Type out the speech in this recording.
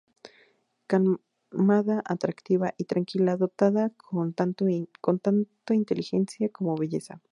Calmada, atractiva y tranquila, dotada con tanto inteligencia como belleza.